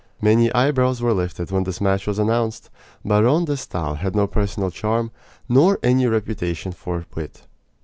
Many eyebrows were lifted when this match was announced. Baron de Stael had no personal charm, nor any reputation for wit.